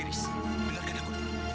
riris bilarkan aku dulu